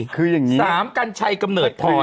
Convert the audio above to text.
๓กัญชัยกำเนิดโทย